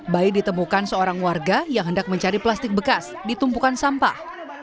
bayi ditemukan seorang warga yang hendak mencari plastik bekas di tumpukan sampah